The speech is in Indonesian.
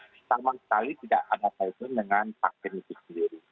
pertama sekali tidak ada kaitan dengan vaksin itu sendiri